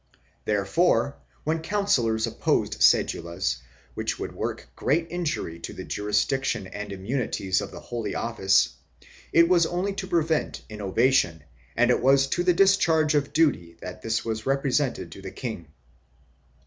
Therefore when councillors opposed cedulas which would work great injury to the jurisdiction and immunities of the Holy Office, it was only to prevent innovation and it was in the discharge of duty that this was represented to the king.